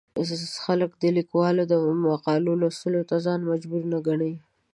خلک د ليکوالو د مقالو لوستلو ته ځان مجبور نه ګڼي.